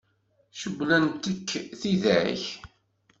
Cewwlent-k tidak?